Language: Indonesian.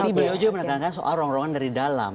tapi beliau juga menentangkan soal rongrongan dari dalam